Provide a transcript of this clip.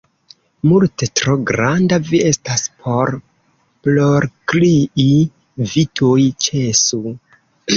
Multe tro granda vi estas por plorkrii, vi tuj ĉesu!